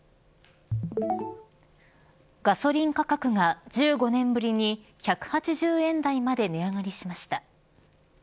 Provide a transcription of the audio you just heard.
ガソリン価格が１５年ぶりに１８０円台まで値上がりしました。